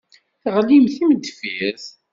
Teɣlimt d timendeffirt.